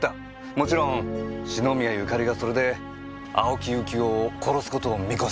もちろん篠宮ゆかりがそれで青木由紀男を殺す事を見越して。